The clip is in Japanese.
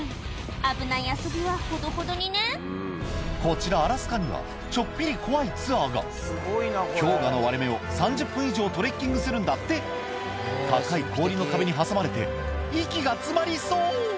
危ない遊びはほどほどにねこちらアラスカにはちょっぴり怖いツアーが氷河の割れ目を３０分以上トレッキングするんだって高い氷の壁に挟まれて息が詰まりそう！